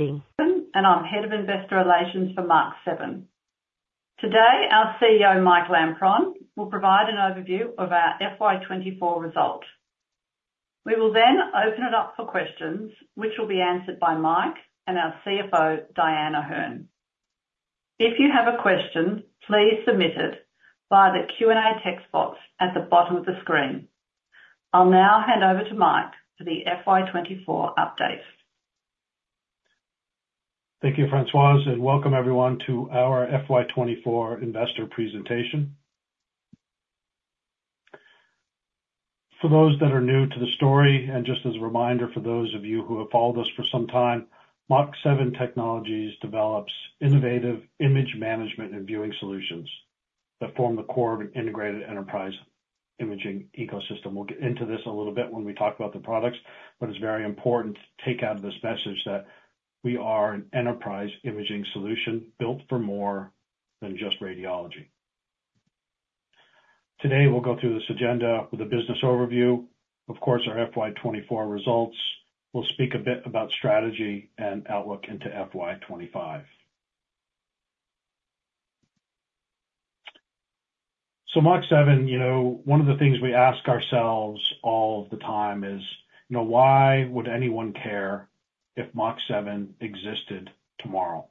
I'm Head of Investor Relations for Mach7. Today, our CEO, Mike Lampron, will provide an overview of our FY 2024 result. We will then open it up for questions, which will be answered by Mike and our CFO, Dyan O'Herne. If you have a question, please submit it via the Q&A text box at the bottom of the screen. I'll now hand over to Mike for the FY twenty-four update. Thank you, Françoise, and welcome everyone to our FY 2024 Investor Presentation. For those that are new to the story, and just as a reminder for those of you who have followed us for some time, Mach7 Technologies develops innovative image management and viewing solutions that form the core of an integrated enterprise imaging ecosystem. We'll get into this a little bit when we talk about the products, but it's very important to take out this message that we are an enterprise imaging solution built for more than just radiology. Today, we'll go through this agenda with a business overview. Of course, our FY 2024 results. We'll speak a bit about strategy and outlook into FY 2025. So Mach7, you know, one of the things we ask ourselves all the time is, you know, why would anyone care if Mach7 existed tomorrow?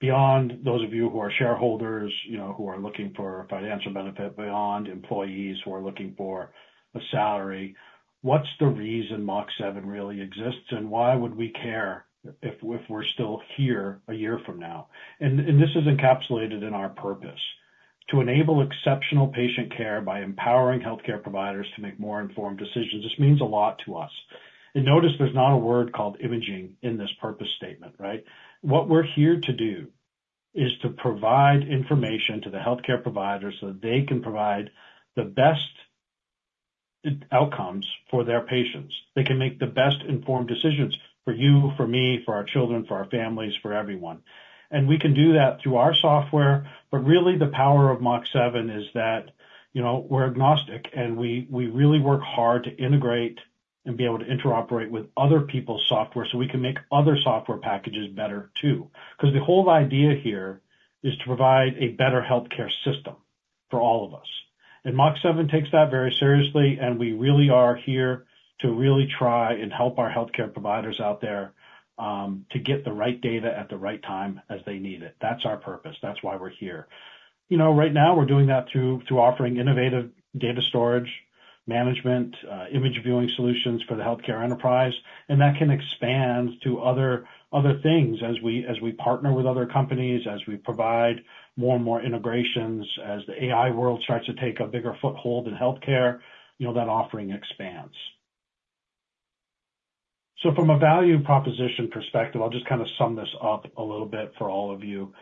Beyond those of you who are shareholders, you know, who are looking for financial benefit, beyond employees who are looking for a salary, what's the reason Mach7 really exists, and why would we care if we're still here a year from now? And this is encapsulated in our purpose: to enable exceptional patient care by empowering healthcare providers to make more informed decisions. This means a lot to us. And notice there's not a word called imaging in this purpose statement, right? What we're here to do is to provide information to the healthcare providers so that they can provide the best outcomes for their patients. They can make the best informed decisions for you, for me, for our children, for our families, for everyone, and we can do that through our software. But really, the power of Mach7 is that, you know, we're agnostic, and we really work hard to integrate and be able to interoperate with other people's software so we can make other software packages better, too. 'Cause the whole idea here is to provide a better healthcare system for all of us, and Mach7 takes that very seriously, and we really are here to really try and help our healthcare providers out there, to get the right data at the right time as they need it. That's our purpose. That's why we're here. You know, right now, we're doing that through offering innovative data storage, management, image viewing solutions for the healthcare enterprise, and that can expand to other things as we partner with other companies, as we provide more and more integrations, as the AI world starts to take a bigger foothold in healthcare. You know, that offering expands. So from a value and proposition perspective, I'll just kind of sum this up a little bit for all of you.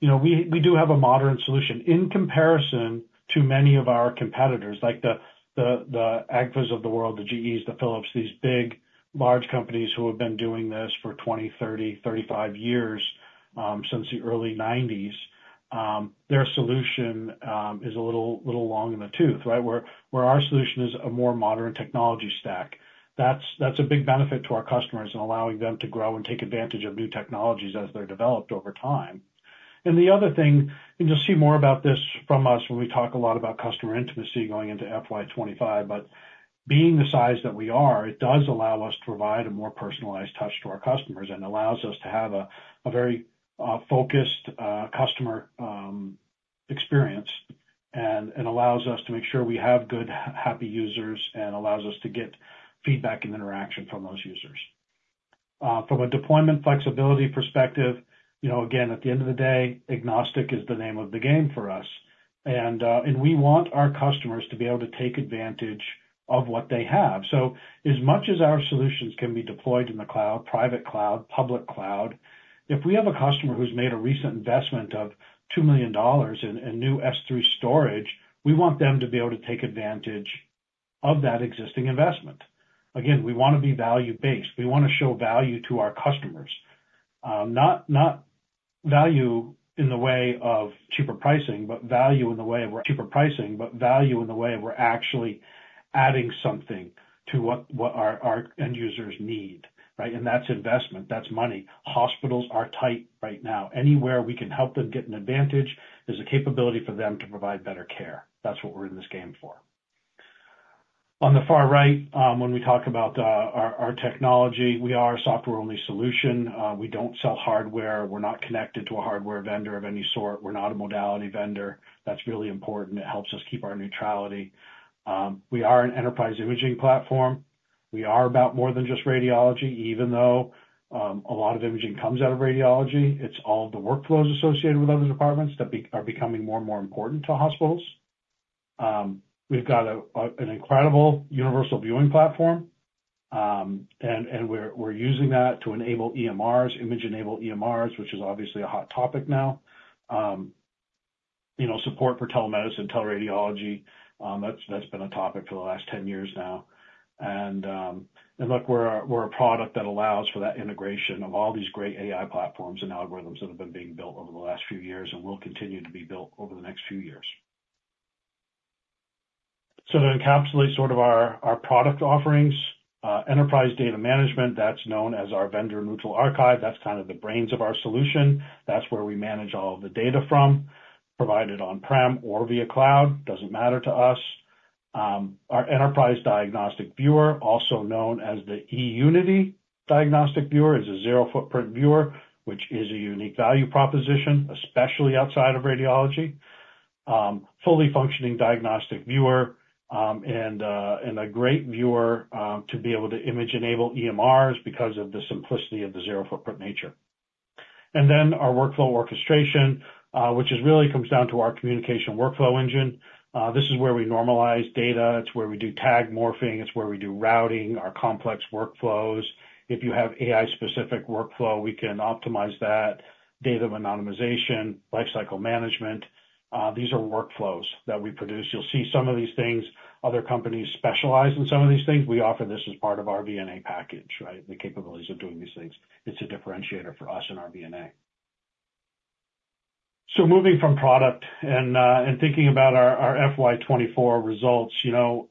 You know, we do have a modern solution. In comparison to many of our competitors, like the Agfas of the world, the GEs, the Philips, these big, large companies who have been doing this for 20, 30, 35 years, since the early 1990s, their solution is a little long in the tooth, right? Where our solution is a more modern technology stack. That's a big benefit to our customers and allowing them to grow and take advantage of new technologies as they're developed over time. And the other thing, and you'll see more about this from us when we talk a lot about customer intimacy going into FY 2025, but being the size that we are, it does allow us to provide a more personalized touch to our customers and allows us to have a very focused customer experience. And allows us to make sure we have good, happy users and allows us to get feedback and interaction from those users. From a deployment flexibility perspective, you know, again, at the end of the day, agnostic is the name of the game for us, and we want our customers to be able to take advantage of what they have. So as much as our solutions can be deployed in the cloud, private cloud, public cloud, if we have a customer who's made a recent investment of $2 million in a new S3 storage, we want them to be able to take advantage of that existing investment. Again, we wanna be value-based. We wanna show value to our customers. Not value in the way of cheaper pricing, but value in the way we're actually adding something to what our end users need, right? That's investment, that's money. Hospitals are tight right now. Anywhere we can help them get an advantage, there's a capability for them to provide better care. That's what we're in this game for. On the far right, when we talk about our technology, we are a software-only solution. We don't sell hardware. We're not connected to a hardware vendor of any sort. We're not a modality vendor. That's really important. It helps us keep our neutrality. We are an enterprise imaging platform. We are about more than just radiology, even though a lot of imaging comes out of radiology. It's all the workflows associated with other departments that are becoming more and more important to hospitals. We've got an incredible universal viewing platform, and we're using that to enable EMRs, image-enabled EMRs, which is obviously a hot topic now. You know, support for telemedicine, teleradiology, that's been a topic for the last 10 years now. And look, we're a product that allows for that integration of all these great AI platforms and algorithms that have been being built over the last few years and will continue to be built over the next few years. So to encapsulate sort of our product offerings, enterprise data management, that's known as our vendor-neutral archive. That's kind of the brains of our solution. That's where we manage all of the data from, provided on-prem or via cloud, doesn't matter to us. Our enterprise diagnostic viewer, also known as the eUnity Diagnostic Viewer, is a zero-footprint viewer, which is a unique value proposition, especially outside of radiology. Fully functioning diagnostic viewer, and a, and a great viewer, to be able to image-enable EMRs because of the simplicity of the zero-footprint nature. And then our workflow orchestration, which is really comes down to our communication workflow engine. This is where we normalize data. It's where we do tag morphing. It's where we do routing, our complex workflows. If you have AI-specific workflow, we can optimize that, data anonymization, lifecycle management. These are workflows that we produce. You'll see some of these things. Other companies specialize in some of these things. We offer this as part of our VNA package, right? The capabilities of doing these things. It's a differentiator for us in our VNA. So moving from product and, and thinking about our FY 2024 results, you know,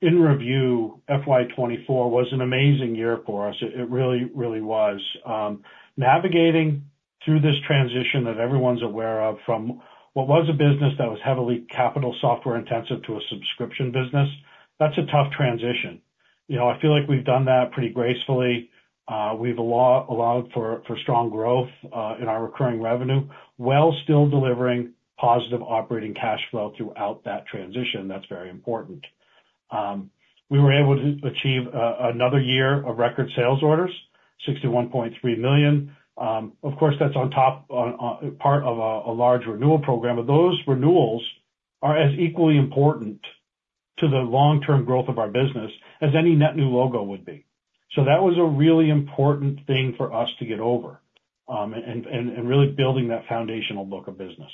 in review, FY 2024 was an amazing year for us. It really was. Navigating through this transition that everyone's aware of from what was a business that was heavily capital software-intensive to a subscription business, that's a tough transition. You know, I feel like we've done that pretty gracefully. We've allowed for strong growth in our recurring revenue, while still delivering positive operating cash flow throughout that transition. That's very important. We were able to achieve another year of record sales orders, 61.3 million. Of course, that's on top of a large renewal program, but those renewals are as equally important to the long-term growth of our business as any net new logo would be. So that was a really important thing for us to get over and really building that foundational book of business.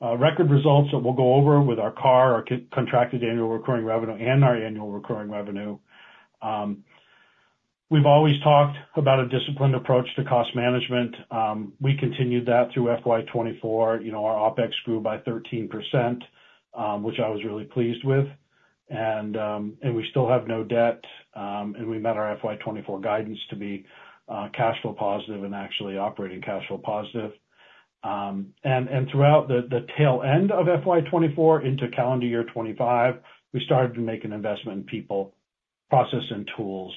Record results that we'll go over with our CARR, our Contracted Annual Recurring Revenue, and our Annual Recurring Revenue. We've always talked about a disciplined approach to cost management. We continued that through FY 2024. You know, our OpEx grew by 13%, which I was really pleased with. And we still have no debt, and we met our FY 2024 guidance to be cash flow positive and actually operating cash flow positive. And throughout the tail end of FY 2024 into calendar year 2025, we started to make an investment in people, process, and tools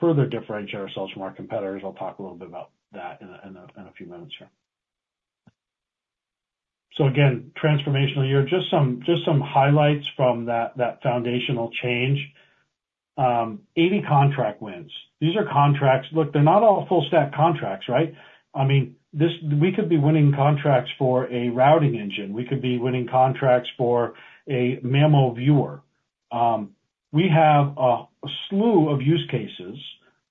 to further differentiate ourselves from our competitors. I'll talk a little bit about that in a few minutes here. So again, transformational year. Just some highlights from that foundational change. 80 contract wins. These are contracts. Look, they're not all full-stack contracts, right? I mean, this. We could be winning contracts for a routing engine. We could be winning contracts for a mammo viewer. We have a slew of use cases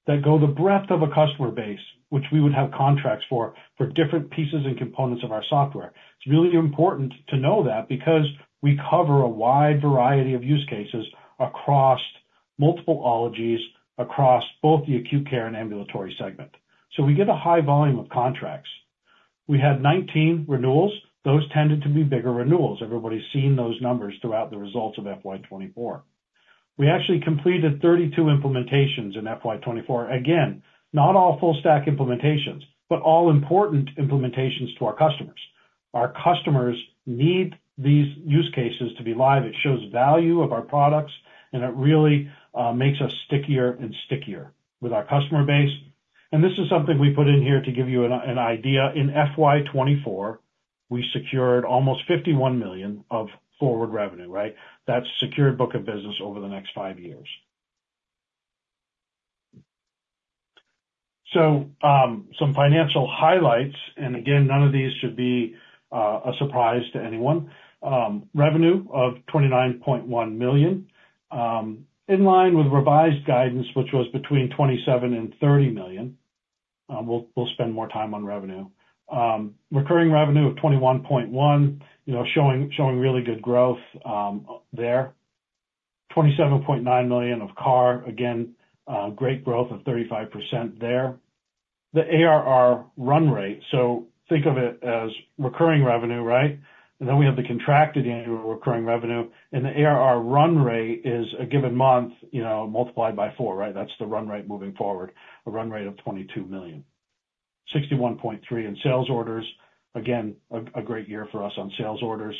that go the breadth of a customer base, which we would have contracts for, for different pieces and components of our software. It's really important to know that because we cover a wide variety of use cases across multiple -ologies, across both the acute care and ambulatory segment. So we get a high volume of contracts. We had 19 renewals. Those tended to be bigger renewals. Everybody's seen those numbers throughout the results of FY 2024. We actually completed 32 implementations in FY 2024. Again, not all full-stack implementations, but all important implementations to our customers. Our customers need these use cases to be live. It shows value of our products, and it really makes us stickier and stickier with our customer base. And this is something we put in here to give you an idea. In FY 2024, we secured almost 51 million of forward revenue, right? That's secured book of business over the next five years. Some financial highlights, and again, none of these should be a surprise to anyone. Revenue of 29.1 million in line with revised guidance, which was between 27 million and 30 million. We'll spend more time on revenue. Recurring revenue of 21.1 million, you know, showing really good growth there. 27.9 million of CARR. Again, great growth of 35% there. The ARR run rate, so think of it as recurring revenue, right? And then we have the contracted annual recurring revenue, and the ARR run rate is a given month, you know, multiplied by four, right? That's the run rate moving forward, a run rate of 22 million. 61.3 in sales orders. Again, a great year for us on sales orders.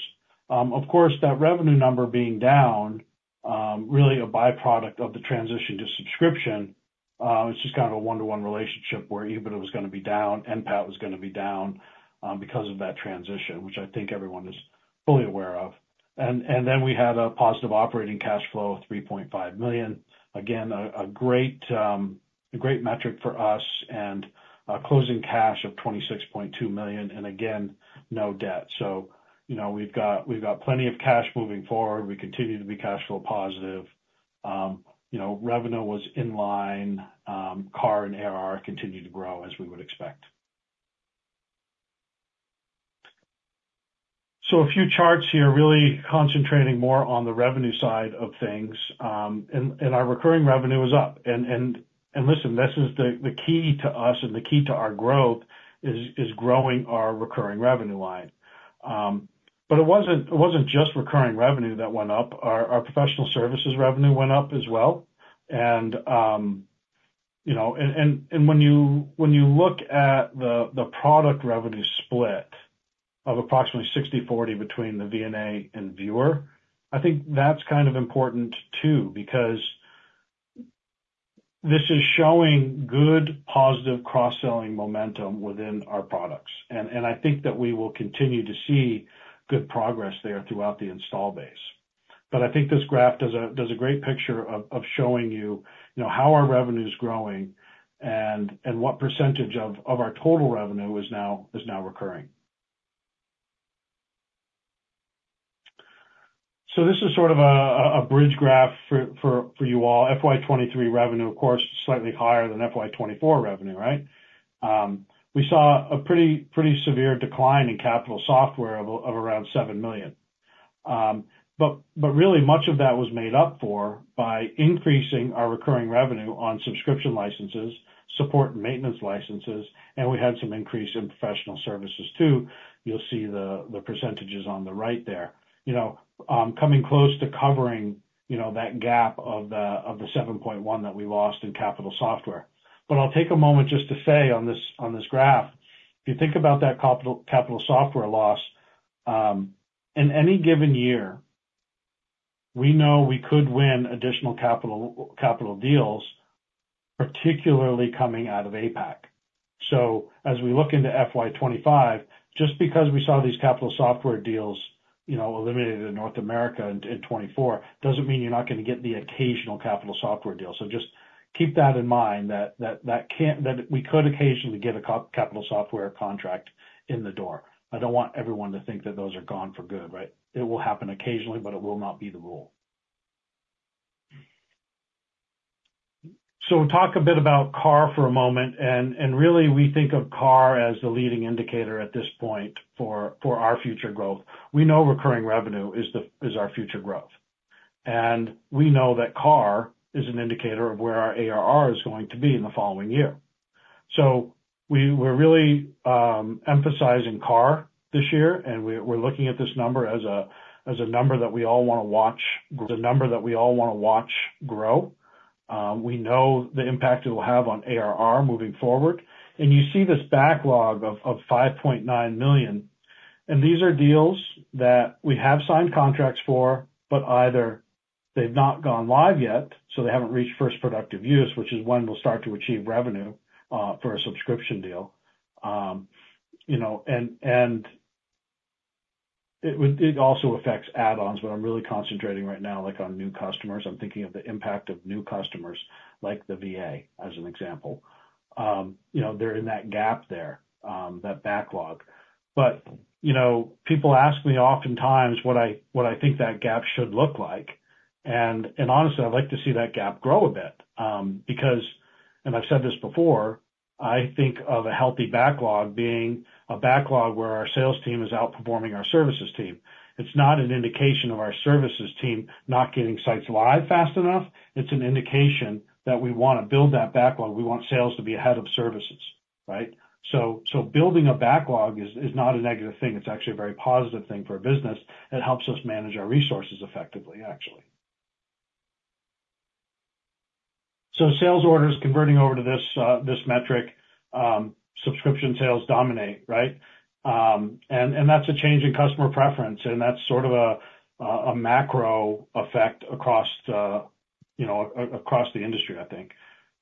Of course, that revenue number being down, really a byproduct of the transition to subscription. It's just kind of a one-to-one relationship where EBITDA was gonna be down, NPAT was gonna be down, because of that transition, which I think everyone is fully aware of. And then we had a positive operating cash flow of 3.5 million. Again, a great metric for us and a closing cash of 26.2 million, and again, no debt. You know, we've got plenty of cash moving forward. We continue to be cash flow positive. You know, revenue was in line. CARR and ARR continued to grow as we would expect. A few charts here, really concentrating more on the revenue side of things, and our recurring revenue is up. And listen, this is the key to us and the key to our growth is growing our recurring revenue line. But it wasn't just recurring revenue that went up. Our professional services revenue went up as well. You know, and when you look at the product revenue split of approximately 60/40 between the VNA and Viewer, I think that's kind of important too, because this is showing good, positive cross-selling momentum within our products. I think that we will continue to see good progress there throughout the install base. I think this graph does a great picture of showing you, you know, how our revenue is growing and what percentage of our total revenue is now recurring. This is sort of a bridge graph for you all. FY 2023 revenue, of course, is slightly higher than FY 2024 revenue, right? We saw a pretty severe decline in capital software of around 7 million. But really much of that was made up for by increasing our recurring revenue on subscription licenses, support and maintenance licenses, and we had some increase in Professional Services too. You'll see the percentages on the right there. You know, coming close to covering, you know, that gap of the seven point one that we lost in capital software. But I'll take a moment just to say on this graph, if you think about that capital software loss, in any given year, we know we could win additional capital deals, particularly coming out of APAC. So as we look into FY 2025, just because we saw these capital software deals, you know, eliminated in North America in 2024, doesn't mean you're not gonna get the occasional capital software deal. So just keep that in mind that we could occasionally get a capital software contract in the door. I don't want everyone to think that those are gone for good, right? It will happen occasionally, but it will not be the rule. So we'll talk a bit about CARR for a moment, and really, we think of CARR as the leading indicator at this point for our future growth. We know recurring revenue is our future growth, and we know that CARR is an indicator of where our ARR is going to be in the following year. So we're really emphasizing CARR this year, and we're looking at this number as a number that we all wanna watch, the number that we all wanna watch grow. We know the impact it will have on ARR moving forward, and you see this backlog of 5.9 million, and these are deals that we have signed contracts for, but either they've not gone live yet, so they haven't reached first productive use, which is when we'll start to achieve revenue for a subscription deal. You know, and it also affects add-ons, but I'm really concentrating right now, like, on new customers. I'm thinking of the impact of new customers, like the VA, as an example. You know, they're in that gap there, that backlog. But you know, people ask me oftentimes what I think that gap should look like. Honestly, I'd like to see that gap grow a bit, because, and I've said this before, I think of a healthy backlog being a backlog where our sales team is outperforming our services team. It's not an indication of our services team not getting sites live fast enough. It's an indication that we wanna build that backlog. We want sales to be ahead of services, right? Building a backlog is not a negative thing. It's actually a very positive thing for a business. It helps us manage our resources effectively, actually. Sales orders converting over to this metric, subscription sales dominate, right? That's a change in customer preference, and that's sort of a macro effect across the, you know, across the industry, I think.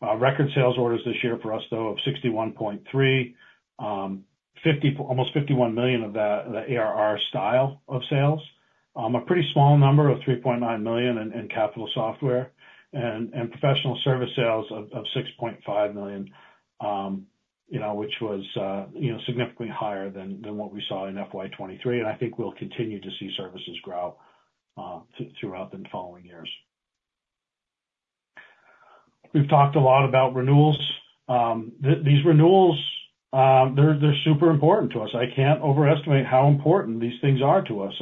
Record sales orders this year for us, though, of 61.3 million, almost 51 million of that, the ARR style of sales. A pretty small number of 3.9 million in capital software and professional service sales of 6.5 million, you know, which was significantly higher than what we saw in FY 2023, and I think we'll continue to see services grow throughout the following years. We've talked a lot about renewals. These renewals, they're super important to us. I can't overestimate how important these things are to us.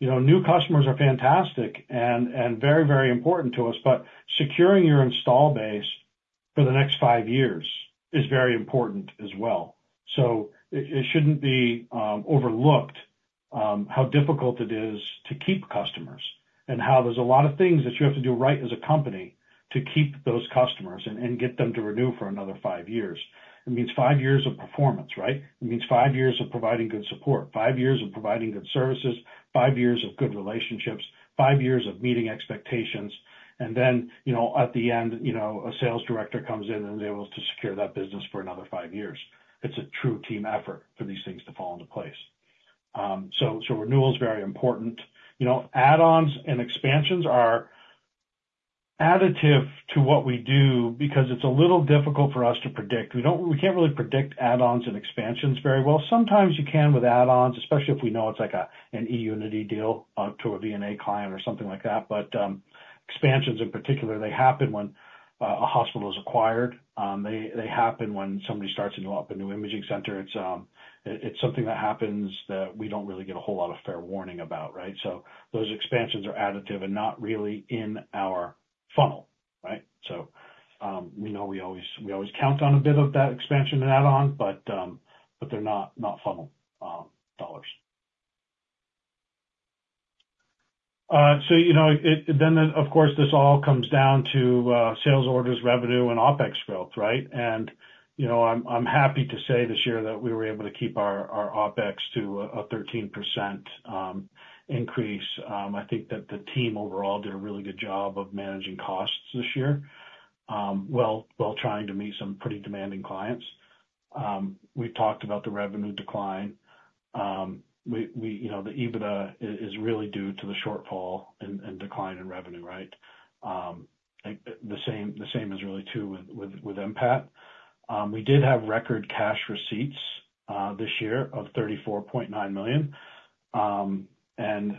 You know, new customers are fantastic and very, very important to us, but securing your install base for the next five years is very important as well. So it shouldn't be overlooked how difficult it is to keep customers and how there's a lot of things that you have to do right as a company to keep those customers and get them to renew for another five years. It means five years of performance, right? It means five years of providing good support, five years of providing good services, five years of good relationships, five years of meeting expectations, and then, you know, at the end, you know, a sales director comes in and is able to secure that business for another five years. It's a true team effort for these things to fall into place. Renewal is very important. You know, add-ons and expansions are additive to what we do because it's a little difficult for us to predict. We don't, we can't really predict add-ons and expansions very well. Sometimes you can with add-ons, especially if we know it's like an eUnity deal to a VNA client or something like that. But expansions in particular, they happen when a hospital is acquired. They happen when somebody starts to go up a new imaging center. It's something that happens that we don't really get a whole lot of fair warning about, right? So those expansions are additive and not really in our funnel, right? So we know we always count on a bit of that expansion and add-on, but they're not funnel dollars. So you know, then, of course, this all comes down to sales orders, revenue, and OpEx growth, right? You know, I'm happy to say this year that we were able to keep our OpEx to a 13% increase. I think that the team overall did a really good job of managing costs this year, while trying to meet some pretty demanding clients. We've talked about the revenue decline. You know, the EBITDA is really due to the shortfall and decline in revenue, right? I think the same is really true with NPAT. We did have record cash receipts this year of 34.9 million. And,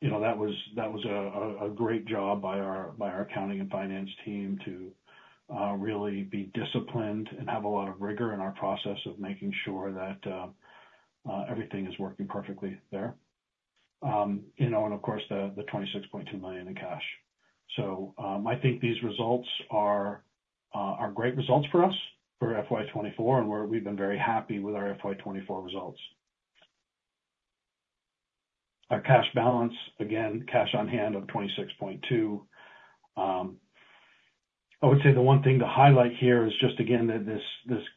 you know, that was a great job by our accounting and finance team to really be disciplined and have a lot of rigor in our process of making sure that everything is working perfectly there. You know, and of course, the 26.2 million in cash. So, I think these results are great results for us for FY 2024, and we've been very happy with our FY 2024 results. Our cash balance, again, cash on hand of 26.2. I would say the one thing to highlight here is just again, that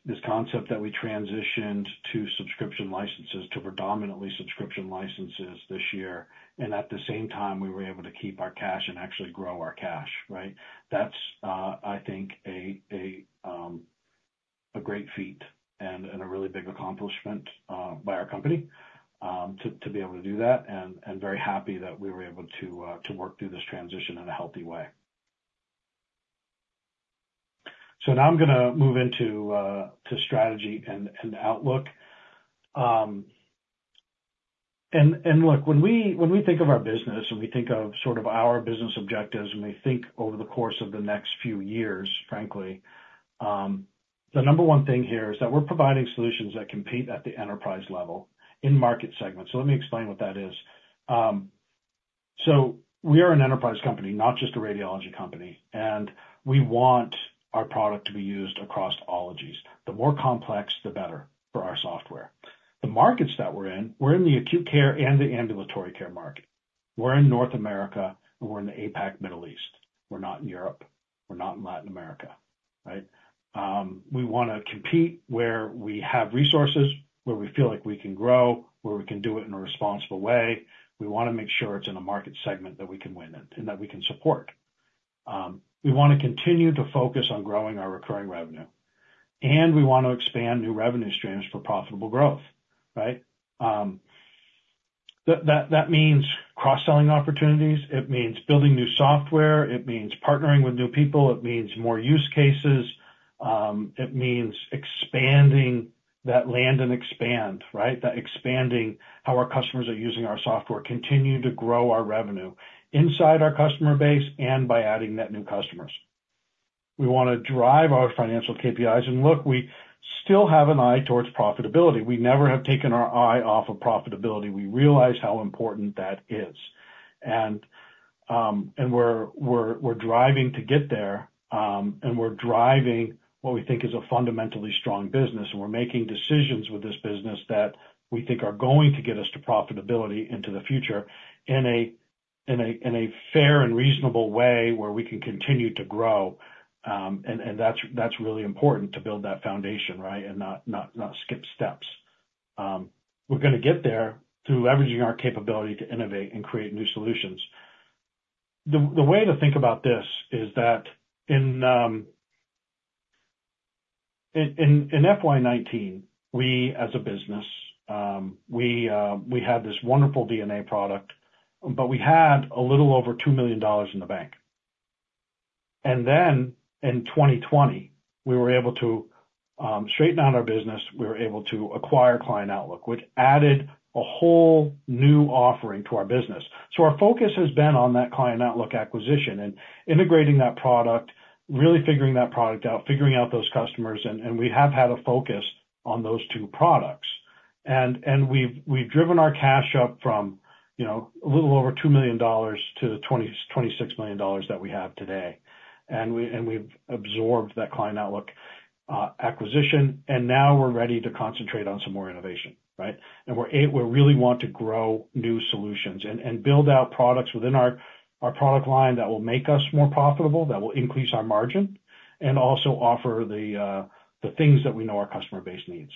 this concept that we transitioned to subscription licenses, to predominantly subscription licenses this year, and at the same time, we were able to keep our cash and actually grow our cash, right? That's, I think, a great feat and a really big accomplishment by our company to be able to do that, and very happy that we were able to work through this transition in a healthy way. Now I'm gonna move into strategy and outlook. And look, when we think of our business, when we think of sort of our business objectives, when we think over the course of the next few years, frankly, the number one thing here is that we're providing solutions that compete at the enterprise level in market segments. Let me explain what that is. So we are an enterprise company, not just a radiology company, and we want our product to be used across modalities. The more complex, the better for our software. The markets that we're in, we're in the acute care and the ambulatory care market. We're in North America, and we're in the APAC Middle East. We're not in Europe, we're not in Latin America, right? We wanna compete where we have resources, where we feel like we can grow, where we can do it in a responsible way. We wanna make sure it's in a market segment that we can win in and that we can support. We wanna continue to focus on growing our recurring revenue, and we want to expand new revenue streams for profitable growth, right? That means cross-selling opportunities, it means building new software, it means partnering with new people, it means more use cases, it means expanding that land and expand, right? That expanding how our customers are using our software, continue to grow our revenue inside our customer base and by adding net new customers. We wanna drive our financial KPIs. Look, we still have an eye towards profitability. We never have taken our eye off of profitability. We realize how important that is, and we're driving to get there, and we're driving what we think is a fundamentally strong business, and we're making decisions with this business that we think are going to get us to profitability into the future in a fair and reasonable way, where we can continue to grow, and that's really important to build that foundation, right? Not skip steps. We're gonna get there through leveraging our capability to innovate and create new solutions. The way to think about this is that in FY 2019, we, as a business, had this wonderful DNA product, but we had a little over $2 million in the bank. And then in 2020, we were able to straighten out our business. We were able to acquire Client Outlook, which added a whole new offering to our business. So our focus has been on that Client Outlook acquisition and integrating that product, really figuring that product out, figuring out those customers, and we have had a focus on those two products. And we've driven our cash up from, you know, a little over $2 million to $26 million that we have today. And we've absorbed that Client Outlook acquisition, and now we're ready to concentrate on some more innovation, right? And we really want to grow new solutions and build out products within our product line that will make us more profitable, that will increase our margin, and also offer the things that we know our customer base needs.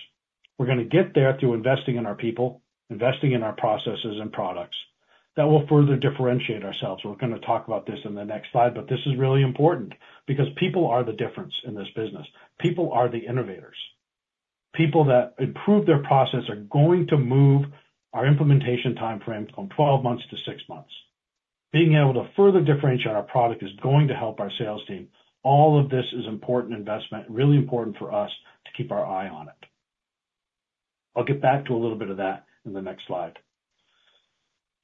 We're gonna get there through investing in our people, investing in our processes and products. That will further differentiate ourselves. We're gonna talk about this in the next slide, but this is really important because people are the difference in this business. People are the innovators. People that improve their process are going to move our implementation timeframe from 12 months to 6 months. Being able to further differentiate our product is going to help our sales team. All of this is important investment, really important for us to keep our eye on it. I'll get back to a little bit of that in the next slide.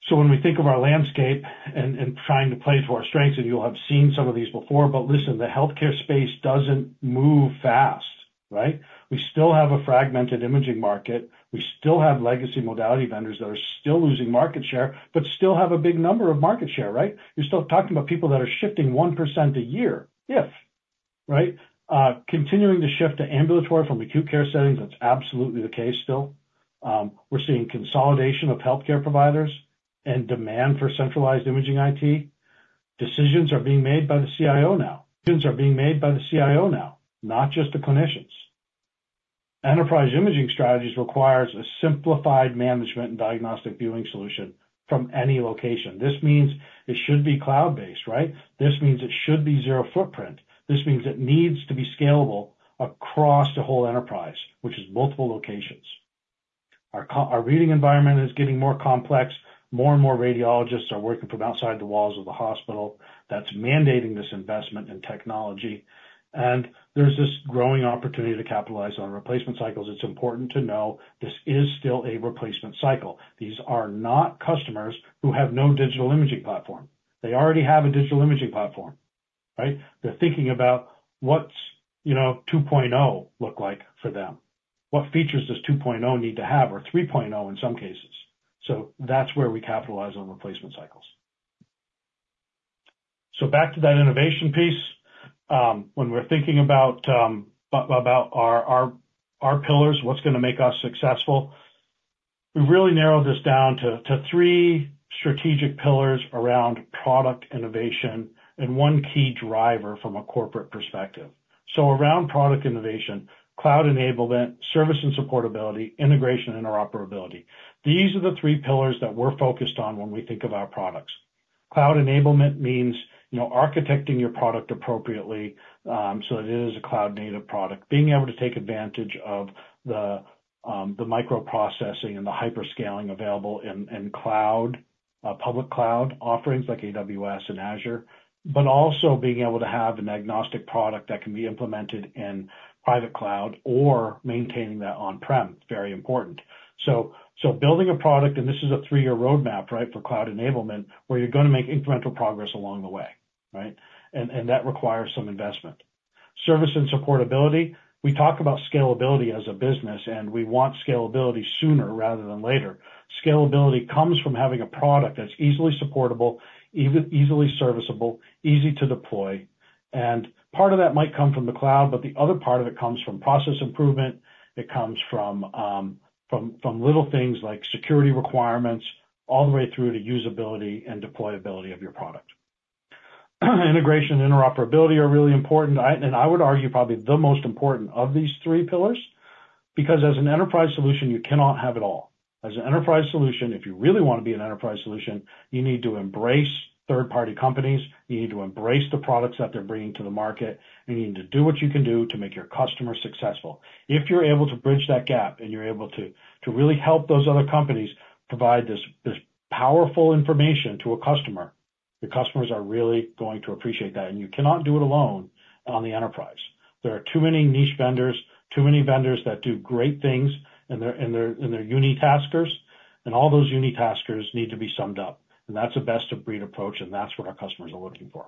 So when we think of our landscape and trying to play to our strengths, and you'll have seen some of these before, but listen, the healthcare space doesn't move fast, right? We still have a fragmented imaging market. We still have legacy modality vendors that are still losing market share, but still have a big number of market share, right? You're still talking about people that are shifting 1% a year, if that. Right? Continuing to shift to ambulatory from acute care settings, that's absolutely the case still. We're seeing consolidation of healthcare providers and demand for centralized imaging IT. Decisions are being made by the CIO now. Decisions are being made by the CIO now, not just the clinicians. Enterprise imaging strategies requires a simplified management and diagnostic viewing solution from any location. This means it should be cloud-based, right? This means it should be zero footprint. This means it needs to be scalable across the whole enterprise, which is multiple locations. Our reading environment is getting more complex. More and more radiologists are working from outside the walls of the hospital. That's mandating this investment in technology, and there's this growing opportunity to capitalize on replacement cycles. It's important to know this is still a replacement cycle. These are not customers who have no digital imaging platform. They already have a digital imaging platform, right? They're thinking about what's, you know, 2.0 look like for them. What features does 2.0 need to have, or 3.0, in some cases? So that's where we capitalize on replacement cycles. So back to that innovation piece. When we're thinking about our pillars, what's gonna make us successful, we really narrowed this down to three strategic pillars around product innovation and one key driver from a corporate perspective. So around product innovation, cloud enablement, service and supportability, integration and interoperability. These are the three pillars that we're focused on when we think of our products. Cloud enablement means, you know, architecting your product appropriately, so it is a cloud-native product. Being able to take advantage of the microprocessing and the hyperscaling available in cloud public cloud offerings like AWS and Azure, but also being able to have an agnostic product that can be implemented in private cloud or maintaining that on-prem, very important. So, so building a product, and this is a three-year roadmap, right, for cloud enablement, where you're gonna make incremental progress along the way, right? And, and that requires some investment. Service and supportability. We talk about scalability as a business, and we want scalability sooner rather than later. Scalability comes from having a product that's easily supportable, easily serviceable, easy to deploy, and part of that might come from the cloud, but the other part of it comes from process improvement. It comes from, from little things like security requirements, all the way through to usability and deployability of your product. Integration and interoperability are really important, I... and I would argue, probably the most important of these three pillars, because as an enterprise solution, you cannot have it all. As an enterprise solution, if you really wanna be an enterprise solution, you need to embrace third-party companies, you need to embrace the products that they're bringing to the market, you need to do what you can do to make your customer successful. If you're able to bridge that gap, and you're able to really help those other companies provide this powerful information to a customer, your customers are really going to appreciate that, and you cannot do it alone on the enterprise. There are too many niche vendors, too many vendors that do great things, and they're unitaskers, and all those unitaskers need to be summed up, and that's a best-of-breed approach, and that's what our customers are looking for.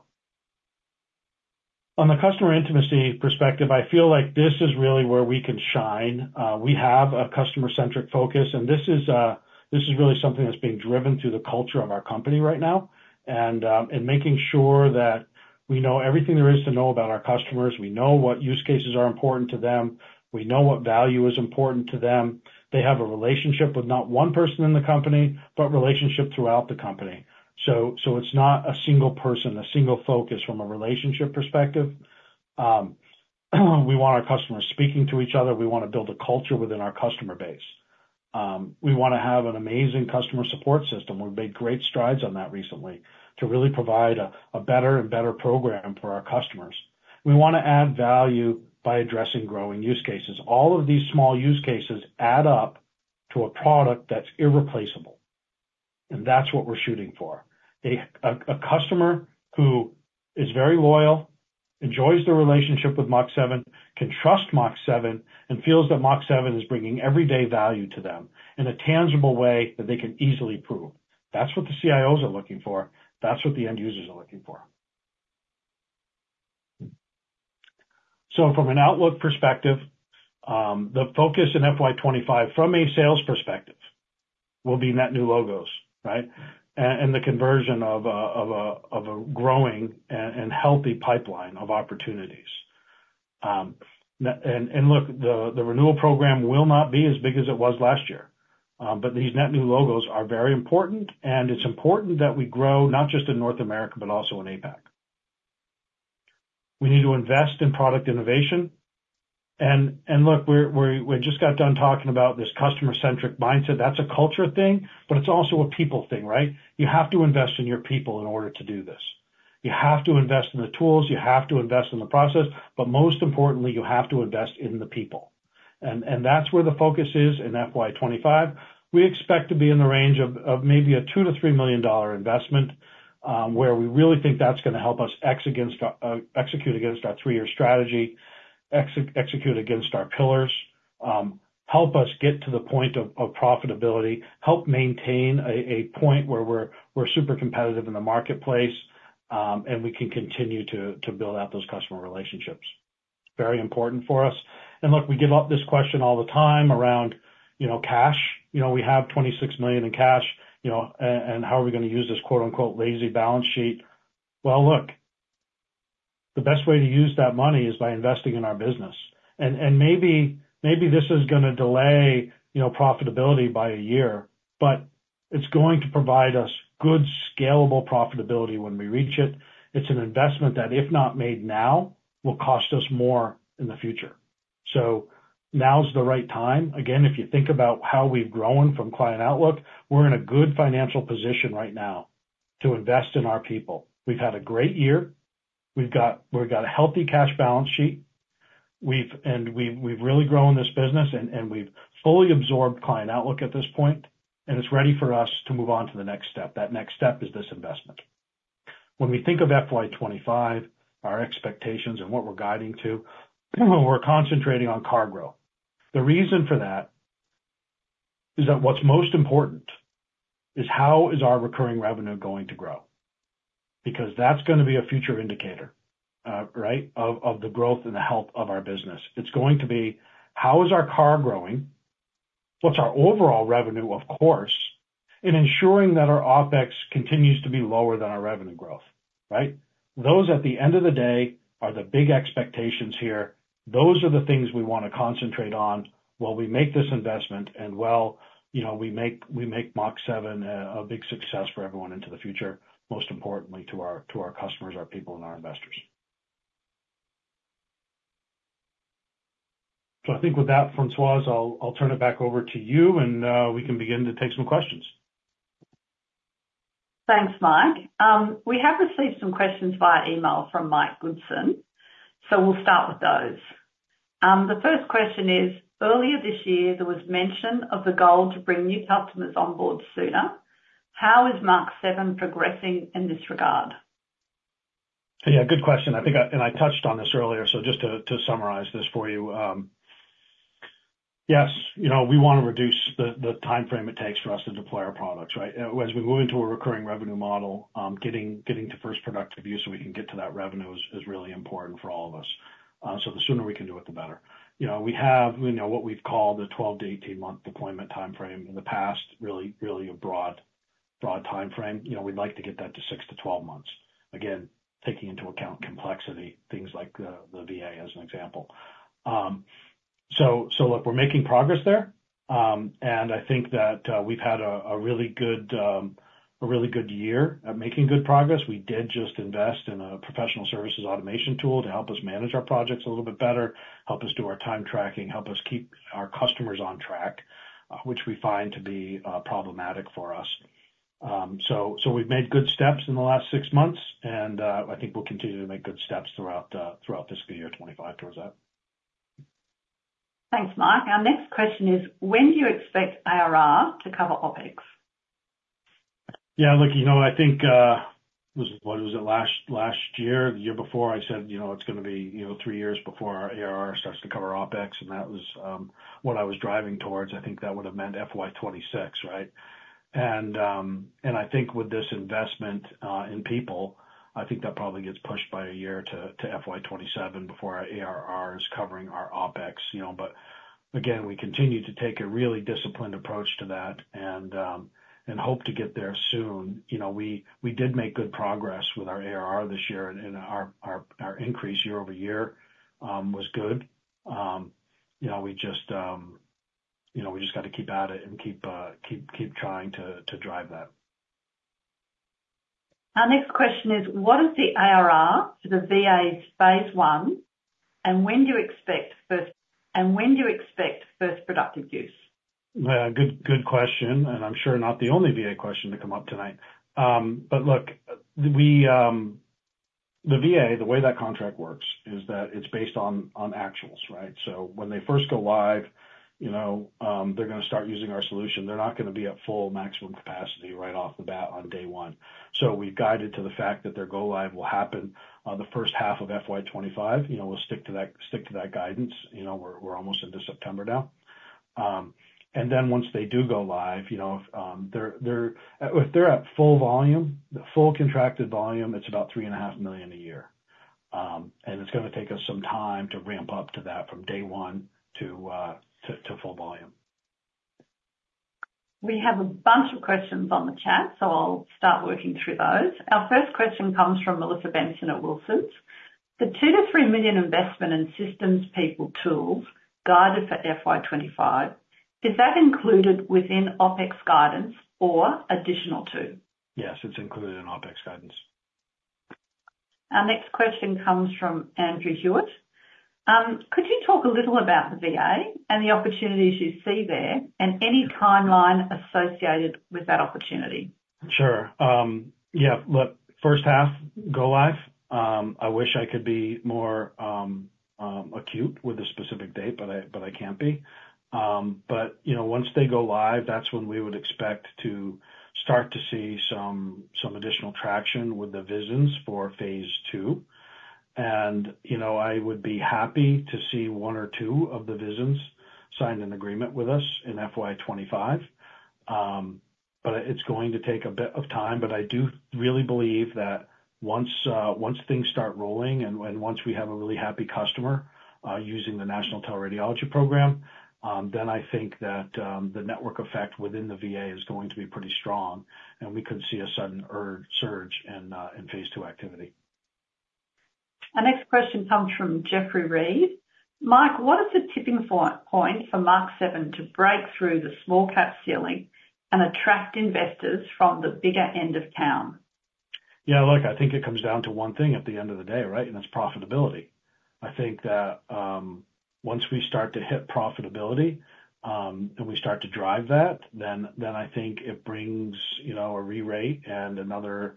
On the customer intimacy perspective, I feel like this is really where we can shine. We have a customer-centric focus, and this is really something that's being driven through the culture of our company right now, and making sure that we know everything there is to know about our customers. We know what use cases are important to them. We know what value is important to them. They have a relationship with not one person in the company, but relationship throughout the company. So it's not a single person, a single focus from a relationship perspective. We want our customers speaking to each other. We wanna build a culture within our customer base. We wanna have an amazing customer support system. We've made great strides on that recently to really provide a better and better program for our customers. We wanna add value by addressing growing use cases. All of these small use cases add up to a product that's irreplaceable, and that's what we're shooting for. A customer who is very loyal, enjoys the relationship with Mach7, can trust Mach7, and feels that Mach7 is bringing everyday value to them in a tangible way that they can easily prove. That's what the CIOs are looking for. That's what the end users are looking for. So from an outlook perspective, the focus in FY 2025, from a sales perspective, will be net new logos, right? And the conversion of a growing and healthy pipeline of opportunities. And look, the renewal program will not be as big as it was last year, but these net new logos are very important, and it's important that we grow, not just in North America, but also in APAC. We need to invest in product innovation, and look, we just got done talking about this customer-centric mindset. That's a culture thing, but it's also a people thing, right? You have to invest in your people in order to do this. You have to invest in the tools, you have to invest in the process, but most importantly, you have to invest in the people. And that's where the focus is in FY 2025. We expect to be in the range of maybe a $2-$3 million investment, where we really think that's gonna help us execute against our three-year strategy, execute against our pillars, help us get to the point of profitability, help maintain a point where we're super competitive in the marketplace, and we can continue to build out those customer relationships. Very important for us. Look, we get this question all the time around, you know, cash. You know, we have $26 million in cash, you know, and how are we gonna use this quote unquote, "lazy balance sheet?" Look, the best way to use that money is by investing in our business. Maybe this is gonna delay, you know, profitability by a year, but it's going to provide us good, scalable profitability when we reach it. It's an investment that, if not made now, will cost us more in the future. So now's the right time. Again, if you think about how we've grown from Client Outlook, we're in a good financial position right now to invest in our people. We've had a great year. We've got a healthy cash balance sheet. And we've really grown this business, and we've fully absorbed Client Outlook at this point, and it's ready for us to move on to the next step. That next step is this investment. When we think of FY 2025, our expectations and what we're guiding to, we're concentrating on CARR growth. The reason for that is that what's most important is how is our recurring revenue going to grow? Because that's gonna be a future indicator, right? Of the growth and the health of our business. It's going to be: how is our CAR growing? What's our overall revenue, of course, in ensuring that our OpEx continues to be lower than our revenue growth, right? Those, at the end of the day, are the big expectations here. Those are the things we wanna concentrate on while we make this investment, and while, you know, we make Mach7 a big success for everyone into the future, most importantly, to our customers, our people and our investors. So I think with that, Françoise, I'll turn it back over to you, and we can begin to take some questions. Thanks, Mike. We have received some questions via email from Mike Goodson, so we'll start with those. The first question is: Earlier this year, there was mention of the goal to bring new customers on board sooner. How is Mach7 progressing in this regard? Yeah, good question. I think and I touched on this earlier, so just to summarize this for you. Yes, you know, we wanna reduce the timeframe it takes for us to deploy our products, right? As we move into a recurring revenue model, getting to first productive use, so we can get to that revenue is really important for all of us. So the sooner we can do it, the better. You know, we have, you know, what we've called a 12-18-month deployment timeframe in the past, really a broad timeframe. You know, we'd like to get that to 6-12 months. Again, taking into account complexity, things like the VA, as an example. So look, we're making progress there. I think that we've had a really good year at making good progress. We did just invest in a professional services automation tool to help us manage our projects a little bit better, help us do our time tracking, help us keep our customers on track, which we find to be problematic for us. We've made good steps in the last six months, and I think we'll continue to make good steps throughout fiscal year 2025 towards that. Thanks, Mike. Our next question is: When do you expect ARR to cover OpEx? Yeah, look, you know, I think what was it, last year, the year before, I said, you know, it's gonna be, you know, three years before our ARR starts to cover OpEx, and that was what I was driving towards. I think that would have meant FY 2026, right? And I think with this investment in people, I think that probably gets pushed by a year to FY 2027 before our ARR is covering our OpEx. You know, but again, we continue to take a really disciplined approach to that and hope to get there soon. You know, we did make good progress with our ARR this year, and our increase year-over-year was good. You know, we just got to keep at it and keep trying to drive that. Our next question is: What is the ARR to the VA's phase 1? And when do you expect first productive use? Good, good question, and I'm sure not the only VA question to come up tonight. But look, we... The VA, the way that contract works is that it's based on actuals, right? So when they first go live, you know, they're gonna start using our solution. They're not gonna be at full maximum capacity right off the bat on day one. So we've guided to the fact that their go-live will happen, the first half of FY 2025. You know, we'll stick to that, stick to that guidance. You know, we're almost into September now. And then once they do go live, you know, they're if they're at full volume, the full contracted volume, it's about $3.5 million in a year. And it's gonna take us some time to ramp up to that from day one to full volume. We have a bunch of questions on the chat, so I'll start working through those. Our first question comes from Melissa Benson at Wilsons: The 2-3 million investment in systems, people, tools, guidance for FY 2025, is that included within OpEx guidance? Or additional to? Yes, it's included in OpEx guidance. Our next question comes from Andrew Hewitt: Could you talk a little about the VA and the opportunities you see there, and any timeline associated with that opportunity? Sure. Yeah, look, first half go live. I wish I could be more exact with a specific date, but I can't be. But you know, once they go live, that's when we would expect to start to see some additional traction with the VISNs for phase II. You know, I would be happy to see one or two of the VISNs sign an agreement with us in FY 2025. But it's going to take a bit of time, but I do really believe that once things start rolling and once we have a really happy customer using the National Teleradiology Program, then I think that the network effect within the VA is going to be pretty strong, and we could see a sudden surge in phase II activity. Our next question comes from Jeffrey Reed. "Mike, what is the tipping point for Mach7 to break through the small cap ceiling and attract investors from the bigger end of town? Yeah, look, I think it comes down to one thing at the end of the day, right? And that's profitability. I think that once we start to hit profitability and we start to drive that, then I think it brings, you know, a rerate and another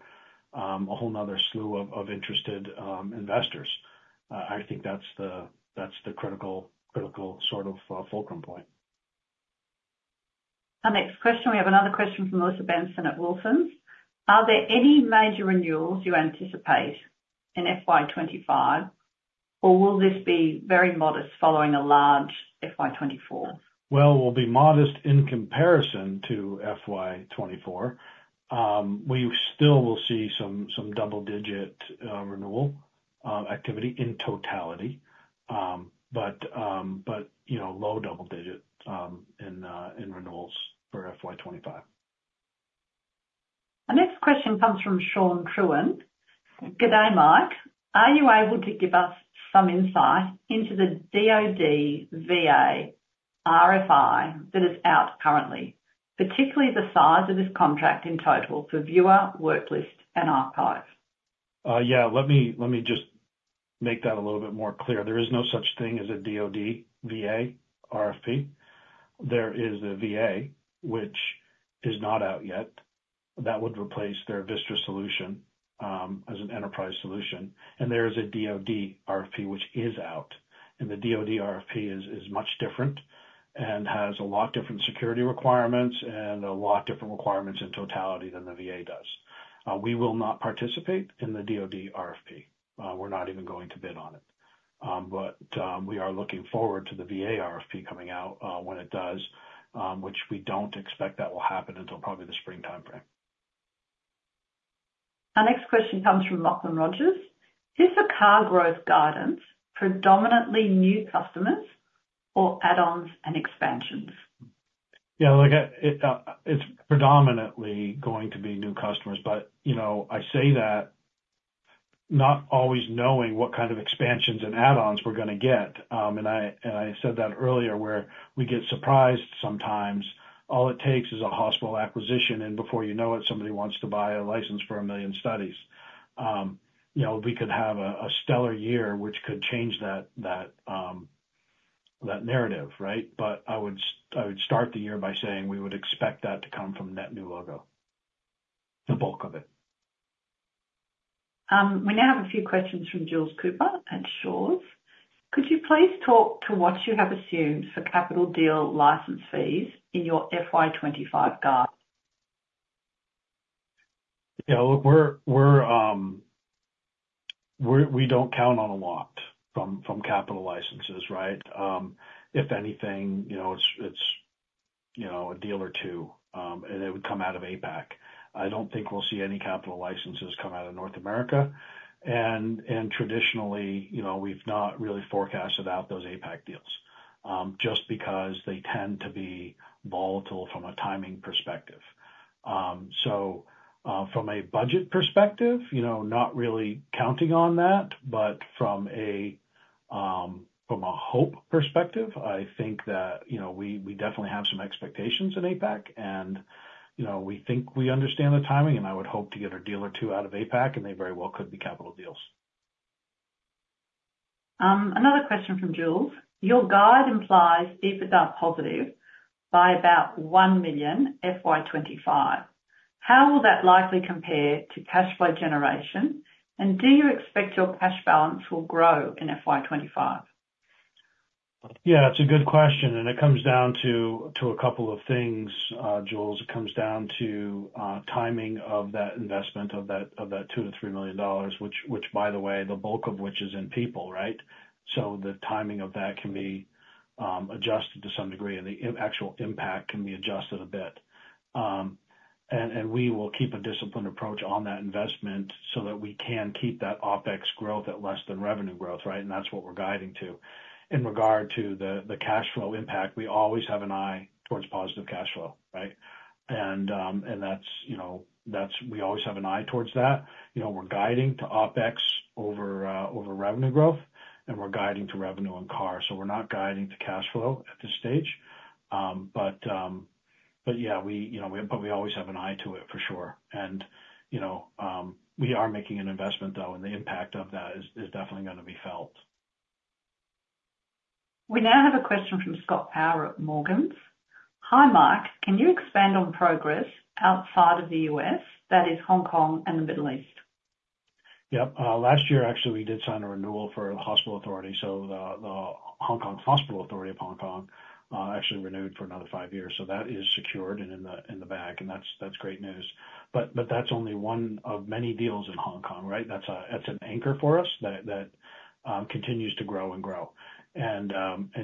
a whole other slew of interested investors. I think that's the critical sort of fulcrum point. Our next question, we have another question from Melissa Benson at Wilsons. "Are there any major renewals you anticipate in FY 2025, or will this be very modest following a large FY 2024? We'll be modest in comparison to FY 2024. We still will see some double digit renewal activity in totality. But you know, low double digit in renewals for FY 2025. Our next question comes from Sean Trewin. "Good day, Mike. Are you able to give us some insight into the DoD VA RFI that is out currently, particularly the size of this contract in total for viewer, worklist, and archive? Yeah, let me, let me just make that a little bit more clear. There is no such thing as a DoD VA RFP. There is a VA, which is not out yet, that would replace their VistA solution, as an enterprise solution. And there is a DoD RFP, which is out, and the DoD RFP is much different and has a lot different security requirements and a lot different requirements in totality than the VA does. We will not participate in the DoD RFP. We're not even going to bid on it. But, we are looking forward to the VA RFP coming out, when it does, which we don't expect that will happen until probably the springtime frame. Our next question comes from Lachlan Rogers. "Is the CARR growth guidance predominantly new customers or add-ons and expansions? Yeah, look, it's predominantly going to be new customers, but, you know, I say that not always knowing what kind of expansions and add-ons we're gonna get. And I said that earlier, where we get surprised sometimes. All it takes is a hospital acquisition, and before you know it, somebody wants to buy a license for a million studies. You know, we could have a stellar year, which could change that narrative, right? But I would start the year by saying we would expect that to come from net new logo, the bulk of it. We now have a few questions from Jules Cooper at Shaw and Partners. "Could you please talk to what you have assumed for capital deal license fees in your FY 2025 guide? Yeah, look, we don't count on a lot from capital licenses, right? If anything, you know, it's a deal or two, and it would come out of APAC. I don't think we'll see any capital licenses come out of North America. And traditionally, you know, we've not really forecasted out those APAC deals, just because they tend to be volatile from a timing perspective. So, from a budget perspective, you know, not really counting on that, but from a hope perspective, I think that, you know, we definitely have some expectations in APAC and, you know, we think we understand the timing, and I would hope to get a deal or two out of APAC, and they very well could be capital deals. Another question from Jules: "Your guide implies EBITDA positive by about 1 million FY 2025. How will that likely compare to cash flow generation? And do you expect your cash balance will grow in FY 2025? Yeah, it's a good question, and it comes down to a couple of things, Jules. It comes down to timing of that investment, of that $2-$3 million, which by the way, the bulk of which is in people, right? So the timing of that can be adjusted to some degree, and the actual impact can be adjusted a bit. And we will keep a disciplined approach on that investment so that we can keep that OpEx growth at less than revenue growth, right? And that's what we're guiding to. In regard to the cash flow impact, we always have an eye towards positive cash flow, right? And that's, you know, that's. We always have an eye towards that. You know, we're guiding to OpEx over revenue growth, and we're guiding to revenue and CARR, so we're not guiding to cash flow at this stage. But yeah, you know, we always have an eye to it, for sure. And, you know, we are making an investment, though, and the impact of that is definitely gonna be felt. We now have a question from Scott Power at Morgans. "Hi, Mike, can you expand on progress outside of the U.S., that is Hong Kong and the Middle East? Yep. Last year, actually, we did sign a renewal for a hospital authority, so the Hong Kong Hospital Authority of Hong Kong actually renewed for another five years. That is secured and in the bag, and that's great news. That's only one of many deals in Hong Kong, right? That's an anchor for us that continues to grow and grow.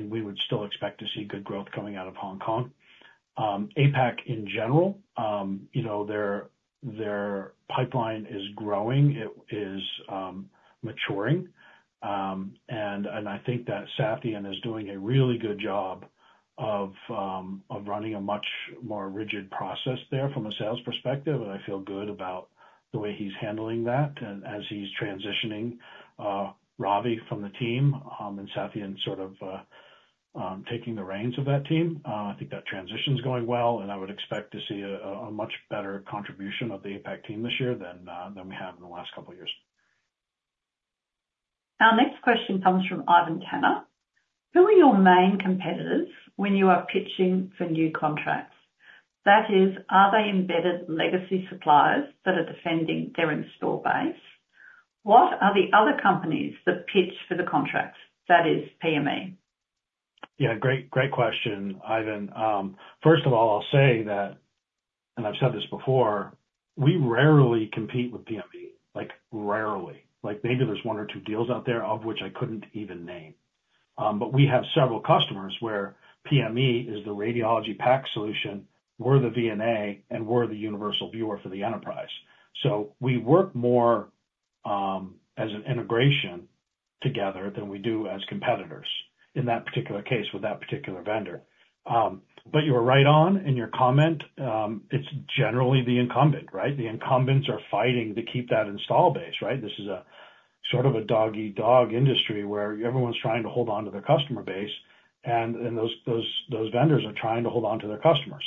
We would still expect to see good growth coming out of Hong Kong. APAC in general, you know, their pipeline is growing, it is maturing. I think that Sathyan is doing a really good job of running a much more rigid process there from a sales perspective, and I feel good about the way he's handling that. As he's transitioning Ravi from the team, and Sathyan sort of taking the reins of that team, I think that transition's going well, and I would expect to see a much better contribution of the APAC team this year than we have in the last couple of years. Our next question comes from Ivan Tanner: Who are your main competitors when you are pitching for new contracts? That is, are they embedded legacy suppliers that are defending their installed base? What are the other companies that pitch for the contracts, that is PME? Yeah, great, great question, Ivan. First of all, I'll say that, and I've said this before, we rarely compete with PME, like, rarely. Like, maybe there's one or two deals out there, of which I couldn't even name. But we have several customers where PME is the radiology PAC solution, we're the VNA, and we're the universal viewer for the enterprise. So we work more, as an integration together than we do as competitors in that particular case with that particular vendor. But you were right on in your comment. It's generally the incumbent, right? The incumbents are fighting to keep that installed base, right? This is a sort of a dog-eat-dog industry, where everyone's trying to hold on to their customer base, and those vendors are trying to hold on to their customers.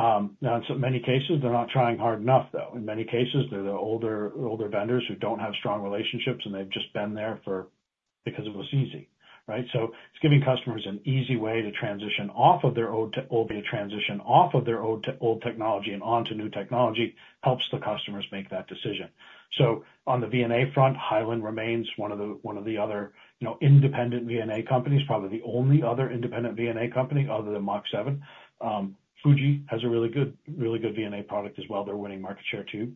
Now, in so many cases, they're not trying hard enough, though. In many cases, they're the older vendors who don't have strong relationships, and they've just been there because it was easy, right? So it's giving customers an easy way to transition off of their old technology and onto new technology, helps the customers make that decision. So on the VNA front, Hyland remains one of the other, you know, independent VNA companies, probably the only other independent VNA company other than Mach7. Fuji has a really good VNA product as well. They're winning market share, too.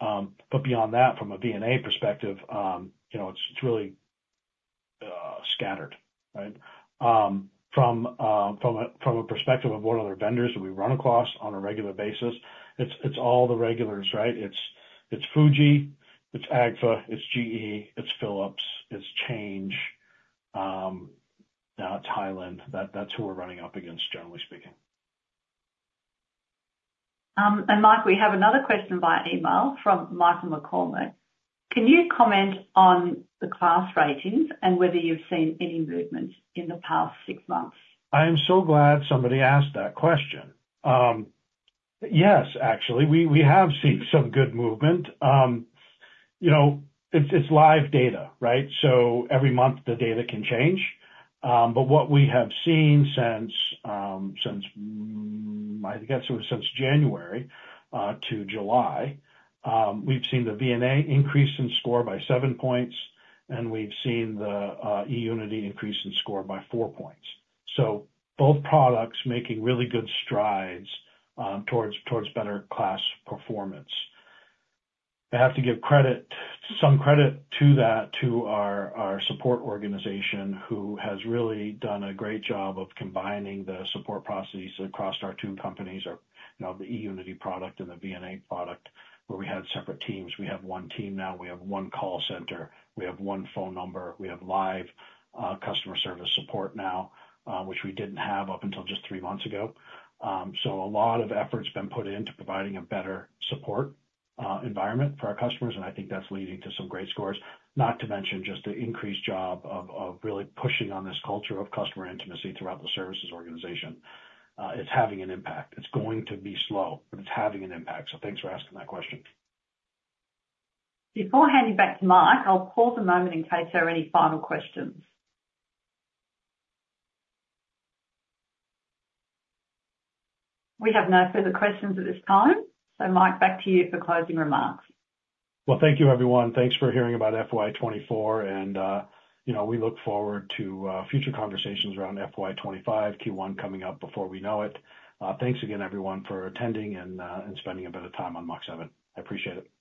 But beyond that, from a VNA perspective, you know, it's truly scattered, right? From a perspective of what other vendors that we run across on a regular basis, it's all the regulars, right? It's Fuji, it's Agfa, it's GE, it's Philips, it's Change, it's Hyland. That's who we're running up against, generally speaking. And Mike, we have another question by email from Michael McCormack. Can you comment on the KLAS ratings and whether you've seen any movement in the past six months? I am so glad somebody asked that question. Yes, actually, we have seen some good movement. You know, it's live data, right? So every month the data can change. But what we have seen since I guess it was since January to July, we've seen the VNA increase in score by seven points, and we've seen the eUnity increase in score by four points. So both products making really good strides towards better KLAS performance. I have to give credit, some credit to that, to our support organization, who has really done a great job of combining the support processes across our two companies, or you know, the eUnity product and the VNA product, where we had separate teams. We have one team now. We have one call center. We have one phone number. We have live customer service support now, which we didn't have up until just three months ago. So a lot of effort's been put into providing a better support environment for our customers, and I think that's leading to some great scores. Not to mention just the increased job of really pushing on this culture of customer intimacy throughout the services organization is having an impact. It's going to be slow, but it's having an impact, so thanks for asking that question. Before handing back to Mike, I'll pause a moment in case there are any final questions. We have no further questions at this time. So Mike, back to you for closing remarks. Thank you, everyone. Thanks for hearing about FY 2024, and, you know, we look forward to future conversations around FY 2025, Q1 coming up before we know it. Thanks again, everyone, for attending and spending a bit of time on Mach7. I appreciate it.